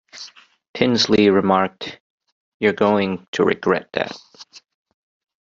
Tinsley remarked, You're going to regret that.